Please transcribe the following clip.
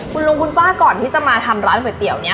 คุณลุงคุณป้าก่อนที่จะมาทำร้านก๋วยเตี๋ยวนี้